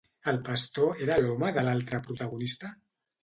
El pastor era l'home de l'altra protagonista?